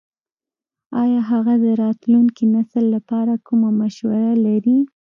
ایا هغه د راتلونکي نسل لپاره کومه مشوره لري ?